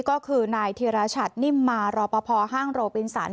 ก็คือนายธิรชัตนิ่มมารอปภห้างโรปินสัน